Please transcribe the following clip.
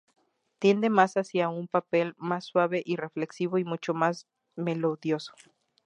Tiende más hacia un papel más suave y reflexivo, y mucho más melodioso.